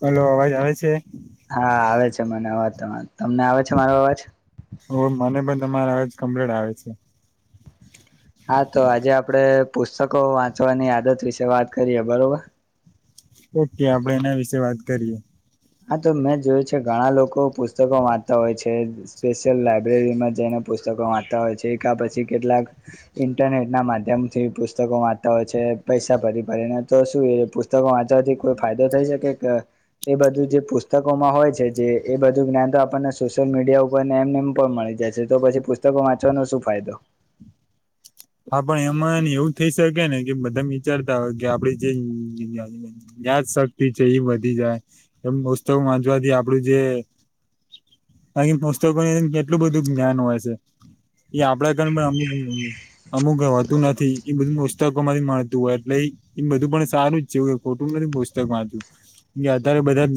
Hello અવાજ આવે છે હા આવે છે મને અવાજ ત તમને આવે છે મારો અવાજ ઓ મને પણ તમારે અવાજ કમ્પ્લીટ આવે છે હા તો આજે આપડે પુસ્તકો વાંચવાની આદત વિશે વાત કરીએ બરોબર. ઓકે આપડે એના વિશેે વાત કરીએ. હા, તો મે જોયું છે ઘણા લોકો પુસ્તકો વાંચતા હોય છે સ્પેશિયલ લાઈબ્રેરીમાં જઈને પુસ્તકો વાંચતા હોય છે એકા પછી કેટલાક. ઇન્ટરનેટ ના માધ્યમથી પુસ્તકો વાંચતા હોય છે પૈસા ભરી ભરી ને તો શું એ. પુસ્તક વાંચવાથી કોઈ ફાયદો થઈ શકે કે એ બધું. જે પુસ્તકોમાં હોય છે જે એ બધું જ્ઞાન તો આપણને સોશિયલ મીડિયા ઉપર ને એમને એમ પણ મળી જાય છે તો પછી પુસ્તક. પુસ્તકો વાંચવાનો શું ફાયદો. હા પણ એમાં એવું થઈ શકે ને કે બધા વિચારતા હોય કે આપડી જે [unintelligible] યાદ શક્તિ છે એ વધી જાય એમ પુસ્તકો વાંચવાથી આપડું જે. અહી પુસ્તકોની કેટલું બધું જ્ઞાન હોય સે. એ આપડડા કાર પણ [unintelligible] અમુક હોતું નથી એ બધું પુસ્તકો માંથી મળતું હોય એટલે. એ બધું પણ સારું જ છે કોઈ ખોટું નથી પુસ્તક વાંચવું અધારે બધા.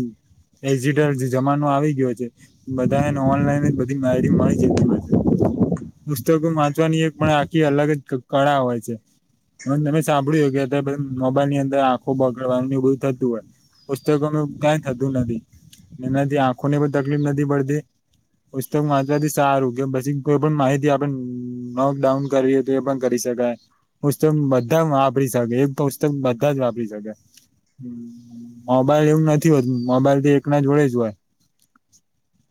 એજિટર જમાનો આવી ગયો છે. બધાને ઓનલાઈન બધી માયરીંગ મળી જતું હોય છે. પુસ્તકો વાંચવાની એક પણ આખી અલગ જ કળા હોય છે. મ તમે સાંભળ્યુંય કે અત્યારે મોબાઈલ ની અંદર આંખો બગડવાનું એ બધું થતું હોય. પુસ્તકોનું કઈ થતું નથી એનાથી આંખો ને પણ તકલીફ નથી પડતી. પુસ્તક વાંચવાથી સારું કે પછી કોઈ પણ માહિતી આપ નક ડઉન. કરવી હોય તો એ પણ કરી શકાય. પુસ્તક બધા વાપરી શકે એક પુસ્તક બધા જ વાપરી શકે. મોબાઈલ એવું નથી હોતું મોબાઈલ તો એક ના જોડે જ હોય.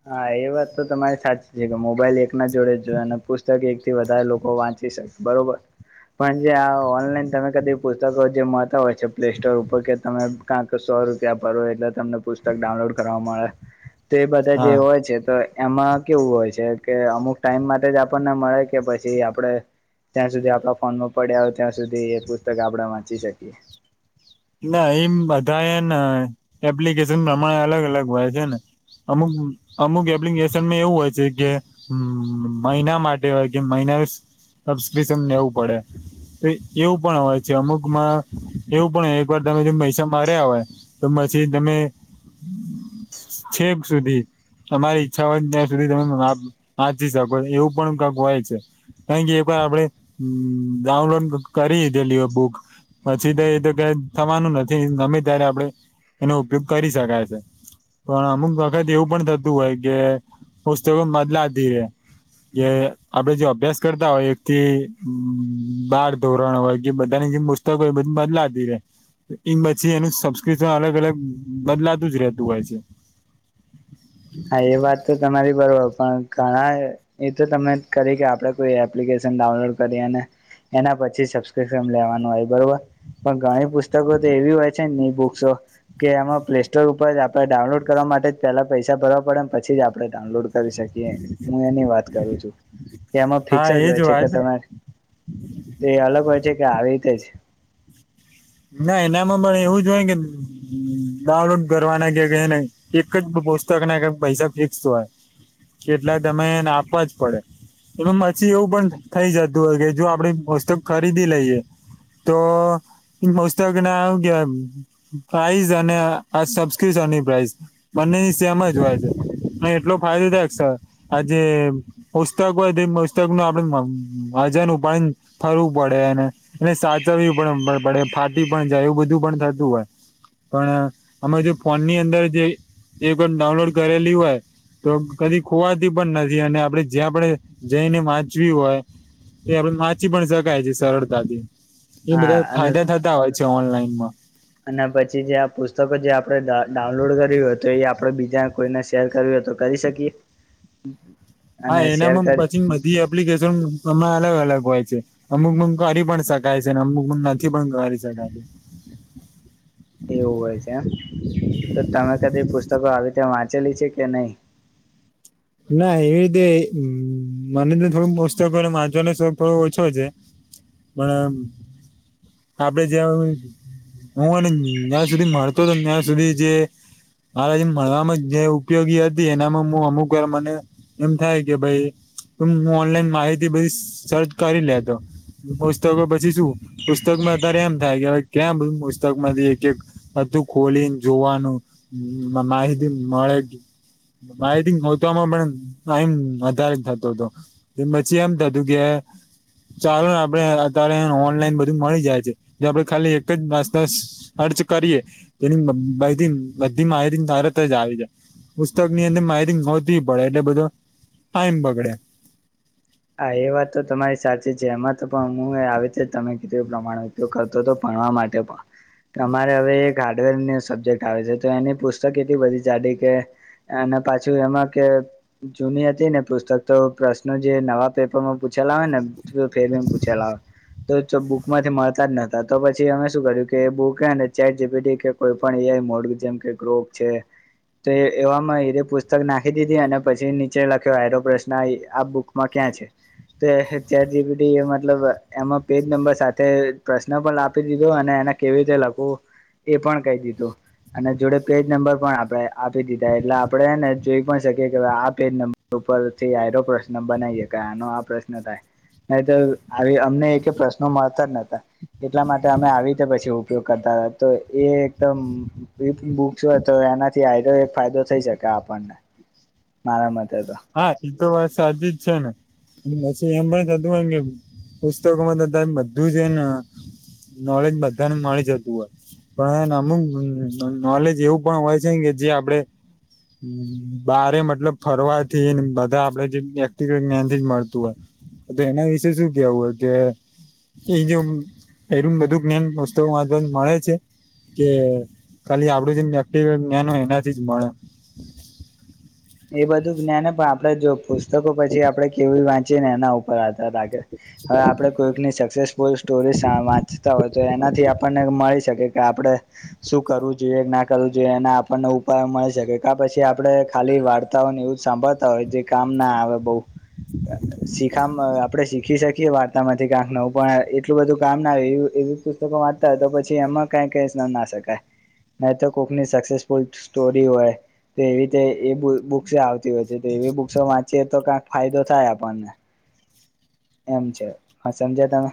હા એ વાત તો તમારી સાચી છે કે મોબાઈલ એક ના જોડે જ હોય અને પુસ્તક એક થી વધારે લોકો વાંચી શકે. બરોબર. પણ જે આ ઓનલાઈન તમે કદીક પુસ્તકો જે મળતા હોય છે પ્લે સ્ટોર ઉપર કે તમે કા તો સો રૂપિયા ભરો એટલે. તમને પુસ્તક ડાઉનલોડ કરવા મળે તો એ બધા જે હા હોય છે તો. એમાં કેવું હોય છે કે અમુક ટાઈમ માટે જ આપણને મળે કે પછી આપડે. ત્યાં સુધી આપડા ફોનમાં પડ્યા હોય ત્યાં સુધી એ પુસ્તક આપણે વાંચી શકીએ. ના એમ બધા હેન એપ્લિકેશન પ્રમાણે અલગ અલગ હોય છે ને. અમુક અમુક એપ્લિકેશન એવું હોય છે કે. હમ મહિના માટે હોય કે મહિના સબસ્કિપ્શન લેવું પડે. તો એવું પણ હોય છે અમુકમાં એવું પણ હૈ. ઉપર તમે જો પૈસા માર્યા હોય તો પછી તમે. છેક સુધી. તમારી ઈચ્છા હોયને ત્યાં સુધી તમે વાંચી શકો એવું પણ કઈક હોય છે. [unintelligible] ક‌ઇક એમા આપડે હ ડાઉનલોડ કરી લીધેલી હોય બુક. પછી તો એ તો ક થવાનું નથી ગમે ત્યારે આપડે એનો ઉપયોગ કરી શકાય છે. પણ અમુક વખત એવું પણ થતું હોય કે પુસ્તકો બદલાતી રે. કે આપડણે જો અભ્યાસ કરતા હોય એકથી બાર ધોરણ હોય કે બધાની જે મ. [unintelligible] બદલાતી રે એ પછી એનું સબસ્ક્રિપ્શન અલગ અલગ બદલાતું જ રહેતું હોય છે. હા એ વાત તો તમારી બરોબર પણ ઘણાય. એ તો તમે કરી કે આપડે કોઈ એપ્લિકેશન ડાઉનલોડ કરી અને. એના પછી સબસ્ક્રિપ્શન લેવાનું હોય બરોબર. પણ ઘણી પુસ્તકો તો એવી હોય છે ઇ બુક્સો. કે એમાં પ્લે સ્ટોર ઉપર આપણે ડાઉનલોડ કરવા માટે પેલા પૈસા. ભરવા પડે પછી જ આપણે ડાઉનલોડ કરી શકીએ. કે હું એની વાત કરું છું કે એમાં હા ફિક્સ એ જ હોય છે વાત કે તમે. તે અલગ હોય છે કે આવી રીતે જ. ના એનામાં પણ એવું જો હોય કે. ડાઉનલોડ કરવાના કે નને એક જ પુસ્તક ના પૈસા ફિક્સ હોય. કેટલા તમેને આપવા જ પડે. એ પછી એવું પણ થઈ જતું હોય કે જો આપણેે વસ્તુ ખરીદી લઈએ. તો પુસ્તક ને આવું કેવાય. પ્રાઈઝ અને આ સબસ્ક્રિપ્શન ની પ્રાઇઝ. બંને ની સેમ જ હોય છે પણ એટલો ફાયદોદાયક સર આજે. પુસ્તક હોય તે પુસ્તક નો આપડે મ વજન ઉપાડી. ફરવું પડે અને એને સાચવવી પણ પડે ફાટી પણ જાય એવું બધું પણ થતું હોય. પણ અમણા જો ફોનની અંદર જે પણ ડાઉનલોડ કરેલી હોય. તો કદી ખોવાતી પણ નથી અને આપડે જ્યાં આપણે જઈને વાંચવી હોય. એ આપડે વાંચી પણ શકાય છે સરળતાથી એ બધા હા અને ફાયદા થતા હોય છે ઓનલાઈનમાં. અને પછી જે આ પુસ્તકો જે આપડણે ડા ડાઉનલોડ કર્યું હતું એ આપડે બીજા કોઈને શેર કર્યું તો. કરી શકી. હા એનામાં પછી બધી એપ્લિકેશન એમા અલગ અલગ હોય છે. અમુક મ કરી પણ શકાય છે, ને અમુક મ નથી પણ કરી શકાય છે. એવું હોય છે, એમ તો તમે કદી પુસ્તકો આવી રીતે વાંચેલી છે, કે નહી ના એવી રીતે મને તો થોડું મોસ્ત કર વાચવાનો થોડો ઓછો છે. પણ આપડે જયા. હું અને ત્યાં સુધી ભણતો હતો ત્યાં સુધી જે. મારે જે મળવામાં જે ઉપયોગી હતી એનામાં હું અમુક કોક વાર મને એમ થાય કે ભાઈ. તો હું ઓનલાઈન માહિતી બધી સર્ચ કરી લેતો. પુસ્તકો પછી શું પુસ્તકમાં અતારે એમ થાય કે હવે કેમ પુસ્તક માંથી એક એક બધું ખોલીન જોવાનું માહિતી મળે માહીતી મો ત મ પણ તાઈમ વધારે થતો હતો પછી એમ થતું કે ચાલો ને આપડે અત્યારે ઓનલાઈન બધું મળી જાય છે, જો આપડે ખાલી એક જ નાસ્તસ ખર્ચ કરીએ તેની બધી બધી માયતી તરત જ આવી જાય પુસ્તકની અંદર માહીતી ગોતવી પડે એટલે બધો ટાઈમ બગડે હા એ વાત તો તમારી સાચી છે, એમાં તો પણ હું આવે છે, તમે કીધું એ પ્રમાણ કરતો તો ભણવા માટે અમારે હવે એક હાર્ડવેર સબ્જેક્ટ આવે છે, તો એની પુસ્તક એટલી બધી જાડી કે અને પાછું એમાં કે જૂની હતી ને પુસ્તક તો પ્રશ્ન જે નવા પેપરમાં પૂછેલે હોય ને [unintelligible] પૂછેલા તો બુક માંથી મળતા જ નતા તો પછી અમે શું કર્યું કે એ બુકે ને ચેટ જીપીટી કે કોઈ પણ એયાય મોડ વિજન કે ગ્રોપ છે. તો એવામાં હેરે પુસ્તક નાખી દીધી અને પછી નીચે લખ્યો હેરો પ્રશ્ન આ બુકમાં ક્યાં છે? તે ચેક જીપીટી એ મતલબ એમાં પેજ નંબર સાથે પ્રશ્ન પણ આપી દીધો અને એને કેવી રીતે લખવું એ પણ કહી દીધું અને જોડે પેજ નંબર પણ આપણે આપી દીધા એટલે આપડે હેને જોઈ પણ શકીએ કે આ પેજ નં ઉપરથી આયરો પ્રશ્ન બનાવીએ કા નો આ પ્રશ્ન થાય નહી તો આવી અમને એક પ્રશ્નો મળતા જ નતા એટલા માટે અમે આવીતે પછી ઉપયોગ કરતા હતા તો એ એકદમ એ બુક્સ હોય તો એનાથી આયર એક ફાયદો થઈ શકે આપણને મારા મતે તો હા એ તો વાત સાચી જ છે, ને પછી એમ પણ તુ એમ કે પુસ્તકોમાં તધા એમ બધું જ એન નોલેજ બધા ને મળી જતું હોય પણ હેન અમુક નોલેજ એવું પણ હોય છે, કે જે આપડે હ બારે મતલબ ફરવા તે બધા આપડે જે વ્યક્તિગત જ્ઞાનથી જ મળતું હોય એના વિશે શું કેવું હોય કે એથી આમ, ઘણું બધું જ્ઞાન પુસ્તક વાંચવાથી મળે છે. કે ખાલી આપડું જેમ વ્યક્તિ જ્ઞાન હોય એનાથી જ મળે એ બધું જ્ઞાને પણ આપડે જો પુસ્તકો પછી આપડે કેવી વાંચીએ ને એના ઉપર આધાર રાખે હવે આ પડે કોઈકની સક્સેસફુલ સ્ટોરી સા વાંચતા હોય તો એનાથી આપણને મળી શકે કે આપણે શું કરવું જોઈએ ના કરવું જોઈએ એના આપણને ઉપાય મળી શકે કા પછી આપડે ખાલી વા ને એવું સાંભળતા હોય જે કામ ના આવે બો શીખમ આપડે સી ખી શકીએ વાર્તામાંથી કાંક નવું પણ એટલું બધું કામ ના આવે એવુ એવી પુસ્તકો વાંચતા હોય તો પછી એમાં કઈ કેસ ન ના શકાય નહી તો કોકની સક્સેસફુલ સ્ટોરી હોય તો એવી રીતે એ બુ બુક્સ આવતી હોય છે, તો એવી બુક્સો વાંચીએ તો કાક ફાયદો થાય આપણને એમ છે, હા સમજયા તમે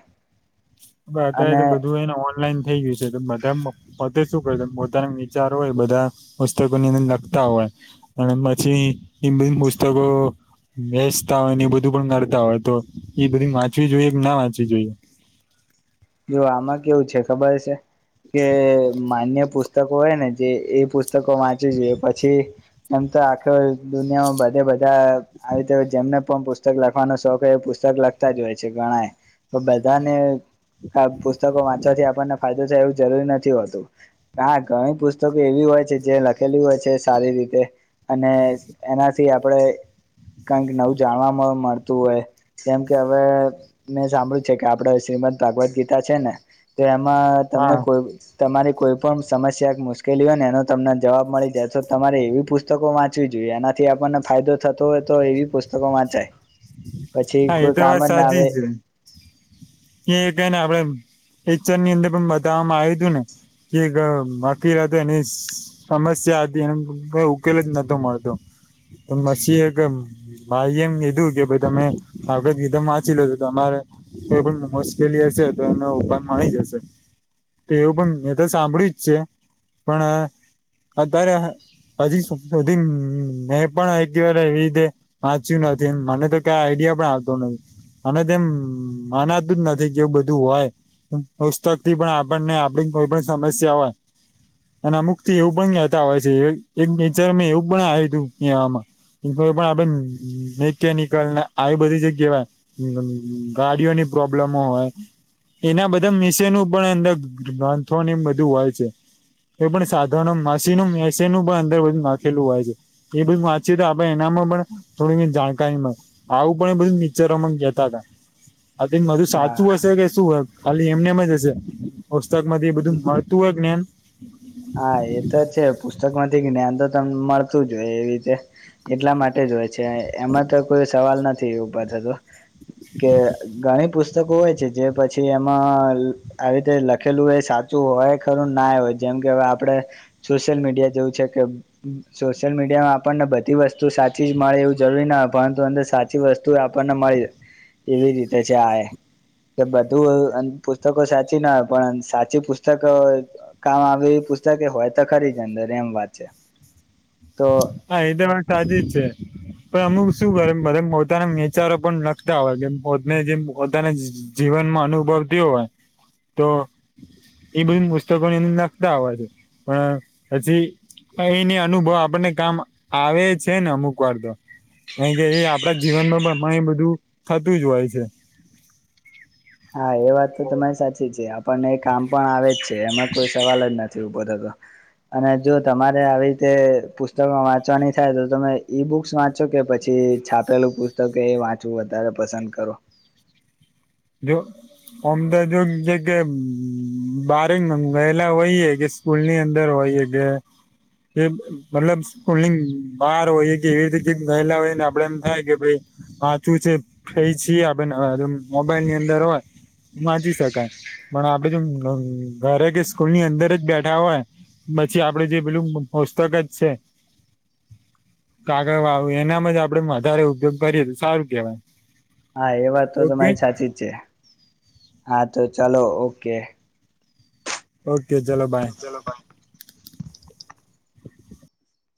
અત્યારે અને તો બધું એને ઓન. ઓફલાઈન થઈ ગયું છે બધા પોતે શું કરે પોતાના વિચાર હોય બધા પુસ્તકોની અંદર લખતા હોય અને પછી એ બી પુસ્તકો. બેસતા હોયન એ બધું પણ નડતા હોય તો, એ બધી વાંચવી જોઈએ ક ના વાંચવી જોઈએ? જો આમાં કેવું છે, ખબર છે. કે માન્ય પુસ્તકો હોય ને જે એ પુસ્તકો વાંચવી જોઈ પછી એમ તો આખો દુનિયામાં બધે બધા આવી તો જેમને પણ પુસ્તક લખવાનો શોખ હોય એ પુસ્તક લખતા જ હોય છે, ગણાય તો બધાને આ પુસ્તકો વાંચવાથી આપણને ફાયદો થાય એવું જરૂરી નથી હોતું. નાા ઘણી પુસ્તકો એવી હોય છે જે લખેલી હોય છે સારી રીતે અને એનાથી આપણેે કંઈક નવું જાણવા મળતું હોય. જેમ કે હવે મેં સાંભળ્યું છે કે આપડ શ્રીમંત. ભાગવદ ગીતા છે ને તો એમાં તમને હા કોઈ તમારી કોઈ પણ સમસ્યા કે મુશ્કેલી હોય ને એનો તમને જવાબ મળી જાય તો તમારે એવી પુત પુસ્તકો વાંચવી જોઈએ એનાથી આપણને ફાયદો થતો હોય તો એવી પુસ્તકો વાંચાય. પછી હા એ કોઈ તો કામ વાત જ ના સાચી આવે. છે એ કઈ ને આપડે એચર ની અંદર પણ બતાવવામાં આવ્યું હતું ને જે ક બાકી રહેતે નીશ. સમસ્યા હતી એ કઈ ઉકેલ જ નતો મળતો. તો મછી એગ મા એમ એ કીધું ભ તમે આપડે ગીધમ વાંચી લો છો તમારે. કોઈ પણ મુશ્કેલી હશે તો એને ઉપાનમાં આવી જશે. તે ઓવો પણ મે તો સાંભળ્યું જ છે પણ અત્યારે હજી સોપધીન મેં પણ એકવાર એવી રીતે વાંચ્યું નથી મને તો કા આઈડિયા પણ આવતો નહી અને તેમ માનાતું જ નથી કેવું બધું હોય. પુસ્તક થી પણ આપણને આપડી કોઈ પણ સમસ્યા હોય. એને થી એવું પણ ગતા હોય છે એક ચર એવું પણ આવ્યું કહેવામા. કોઈ પણ આપ નૈતનીક. કલ આવી બધી જે કહેવાય ગાડીઓની પ્રોબ્લેમો હોય. એના બધા મેશિનું પણ અંદર ગ્રંથોને એ બધું હોય છે. એ પણ સાધોનો માસી નું મેસી નું પણ અંદર બધું નાખેલું હોય છે. એ બધ વાંચી તો આપે એનામાં પણ થોડી જાણકારી મળે આવું પણ એ બધું મિચીરોમા કહેતા આ માધું સાચું હા હશે કે શુંય ખાલી એમનેમ જ હશે પુસ્તક માંથી બધું મળતું હોય જ્ઞાન. હા એ તો છે પુસ્તક માંથી જ્ઞાન તો તમ મળતું જ હોય એવી રીતે. એટલા માટે જ હોય છે એમાં તો કોઈ સવાલ નથી ઉભા થતો. કે ગણી પુસ્તકો હોય છે જે પછી એમાં આવી રીતે લખેલું એ સાચું હોય ખરું ના હોય જેમ કે હવે આપણે સોશિયલ મીડિયા જેવું છે કે સોશિયલ મીડિયામાં આપણને બધી વસ્તુ સાચી જ મળે એવું જરૂરી ના હોય પરંતુ અંદર સાચી વસ્તુ આપણને મળી રહે. એવી રીતે છે આએ. કે બધું અન પુસ્તકો સાચી ના હોય પણ સાચી પુસ્તક કામ આવે એવી પુસ્તકે હોય તો ખરી જ અંદર એમ વાત છે તો. હા એ વા સાદી છે. પણ અમુક શું કરે બધ પોતાના વિચારો પણ લખતા હોય કે પોતને જેમ પોતાના જીવનમાં અનુભવતી હોય તો. એ બધી પુસ્તકો ને એને લખતા હોય છે પણ પછી. એ એનિ અનુભવ આપણને કામ આવે છે ને અમુક વાર તો. કારણ કે એ આપડા જીવનમાં પણ એ બધું થતું જ હોય છે. હા એ વાત તો તમારી સાચી છે આપણને એ કામ પણ આવે જ છે એમાં કોઈ સવાલ જ નથી ઉભો થતો. અને જો તમારે આવી રીતે પુસ્તકો વાંચવાની થાય તો તમે ઈ બુક્સ વાં વા કે પછી છાપેલું પુસ્તક એ વાંચવું વધારે પસંદ કરો. જો અમ તોા જો જે બાર ગેલા વહી હ કે સ્કૂલ ની અંદર હોય ગે. કે મતલબ સ્કૂલની બહાર હોય કે એવી રીતે ગયલા હોયને આપડે એમ થાય કે ભાઈ હાસાચું છે ફઈ છીએ આપ મોબાઈલ ની અંદર હોય. વાંચી શકાય પણ આપડે જો ધન ઘરે કે સ્કૂલની અંદર જ બેઠા હોય. પછી આપડે જે પેલું મસ્તક જ છે. કાગળ વાવું એનામાં જ આપડે વધારે ઉપયોગ કરીએ સારું કેવાય. હા એ વાત તો ઓકે તમારી સાચી જ છે હા તો ચાલો ઓકે. ઓકે ચલો બાય. ચાલલો.